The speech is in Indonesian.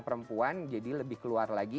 perempuan jadi lebih keluar lagi